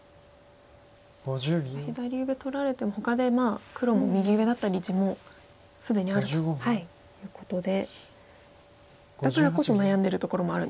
左上取られてもほかでまあ黒も右上だったり地も既にあるということでだからこそ悩んでるところもあるんですね。